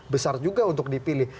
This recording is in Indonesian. besar juga untuk dipilih